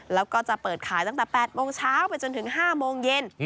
แล้วก็จะเปิดขายตั้งแต่๘โมงเช้าไปจนถึง๕โมงเย็น